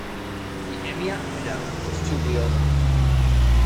The Amiot-Peneau was two-wheeled.